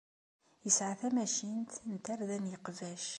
Yesɛa tamacint n tarda n yeqbac.